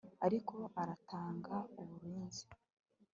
ariko aratanga uburinzi